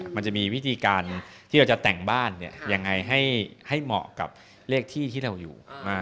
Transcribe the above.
มันจะมีวิธีการที่เราจะแต่งบ้านยังไงให้เหมาะกับเลขที่ที่เราอยู่